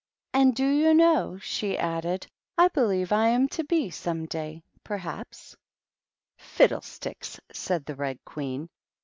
" And do you know," she added, " I believe I am to be some day, perhaps." "Fiddle sticks!" said the Red Queen.